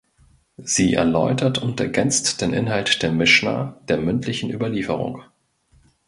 Sie erläutert und ergänzt den Inhalt der Mischna, der mündlichen Überlieferung.